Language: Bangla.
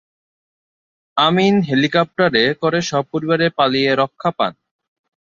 আমিন হেলিকপ্টারে করে সপরিবারে পালিয়ে রক্ষা পান।